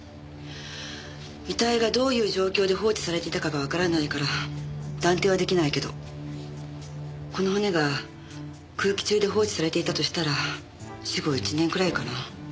遺体がどういう状況で放置されていたかがわからないから断定はできないけどこの骨が空気中で放置されていたとしたら死後一年くらいかな。